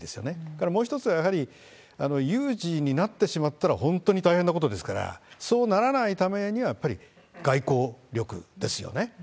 それからもう一つはやはり、有事になってしまったら本当に大変なことですから、そうならないためには、やっぱり外交力ですよね。